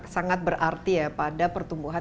sangat berarti ya pada pertumbuhan